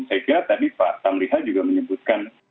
saya kira tadi pak tamliha juga menyebutkan